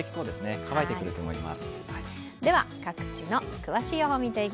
乾いてくると思います。